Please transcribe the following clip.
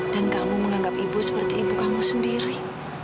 dan kamu menganggap ibu seperti ibu kamu sendiri